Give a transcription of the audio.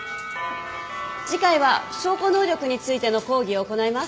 次回は証拠能力についての講義を行います。